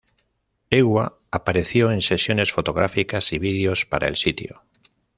Ewa apareció en sesiones fotográficas y videos para el sitio.